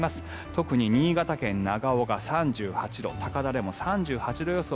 特に新潟県長岡、３８度高田でも３８度予想